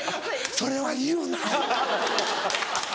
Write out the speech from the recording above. それは言うなアホ。